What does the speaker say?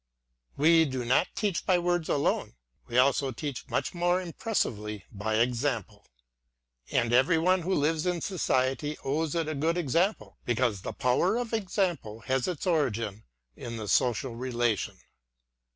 We do not teach by words alone, — we also teach much more impressively by example; and every one who lives in society owes it a good example, because the power of example has THE VOCATION OF THE SCHOLAR. 09 its origin in the social relation.